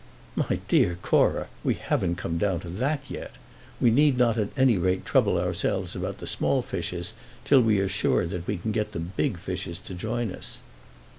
"My dear Cora, we haven't come down to that yet. We need not at any rate trouble ourselves about the small fishes till we are sure that we can get big fishes to join us."